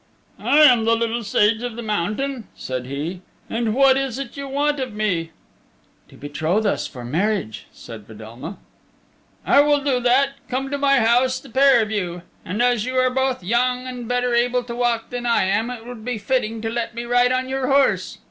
"I am the Little Sage of the Mountain," said he, "and what is it you want of me?" "To betroth us for marriage," said Fedelma. "I will do that. Come to my house, the pair of you. And as you are both young and better able to walk than I am it would be fitting to let me ride on your horse."